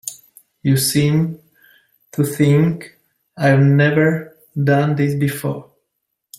You seem to think I've never done this before.